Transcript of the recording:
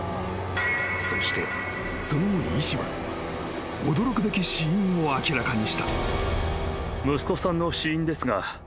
［そしてその後医師は驚くべき死因を明らかにした］